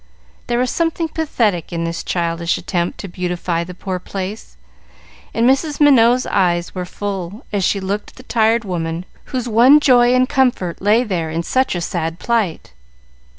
There was something pathetic in this childish attempt to beautify the poor place, and Mrs. Minot's eyes were full as she looked at the tired woman, whose one joy and comfort lay there in such sad plight.